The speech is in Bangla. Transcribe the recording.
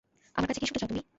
আমার কাছে কী শুনতে চাও তুমি?